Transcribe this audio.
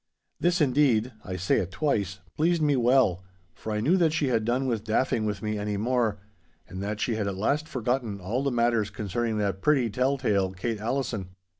This indeed (I say it twice) pleased me well, for I knew that she had done with daffing with me any more, and that she had at last forgotten all the matters concerning that pretty tell tale Kate Allison.